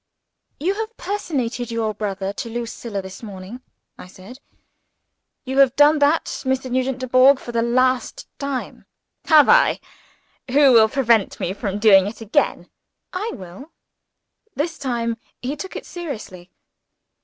"You have personated your brother to Lucilla this morning," I said. "You have done that, Mr. Nugent Dubourg, for the last time." "Have I? Who will prevent me from doing it again?" "I will." This time he took it seriously.